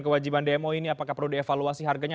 kewajiban dmo ini apakah perlu dievaluasi harganya